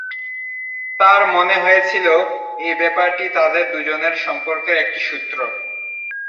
তাঁর মনে হয়েছিল, এই ব্যাপারটি তাঁদের দু’জনের সম্পর্কের একটি সূত্র।